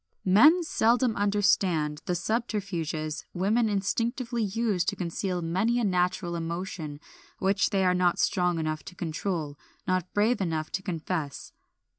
Men seldom understand the subterfuges women instinctively use to conceal many a natural emotion which they are not strong enough to control, not brave enough to confess.